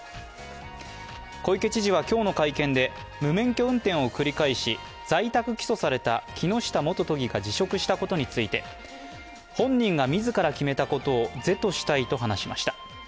小池知事は今日の会見で無免許運転を繰り返し在宅起訴された木下元都議が辞職したことについて本人が自ら決めたことを是としたいと話しました。